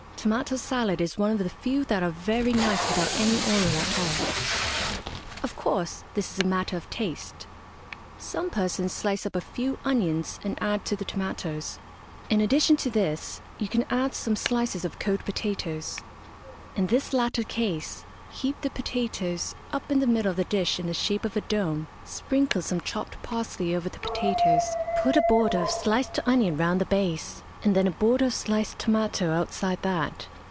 Tomato salad is one of the few that are very nice without any oil at all. Of course, this is a matter of taste. Some persons slice up a few onions and add to the tomatoes. In addition to this you can add some slices of cold potatoes. In this latter case, heap the potatoes up in the middle of the dish in the shape of a dome sprinkle some chopped parsley over the potatoes, put a border of sliced onion round the base, and then a border of sliced tomato outside that.